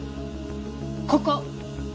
ここ。